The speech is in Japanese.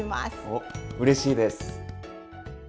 おっうれしいです！